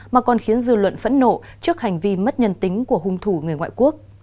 mà còn khiến dư luận phẫn nộ trước hành vi mất nhân tính của hung thủ người ngoại quốc